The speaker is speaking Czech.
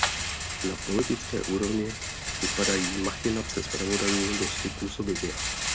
Na politické úrovni vypadají machinace zpravodajů dosti působivě.